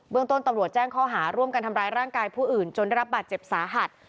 เรื่องต้นตำรวจแจ้งข้อหาร่วมกันทำร้ายร่างกายผู้อื่นจนได้รับบาดเจ็บสาหัส